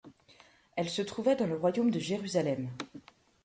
Elle se trouvait dans le royaume de Jérusalem.